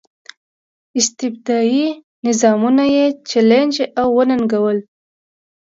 استبدادي نظامونه یې چلنج او وننګول.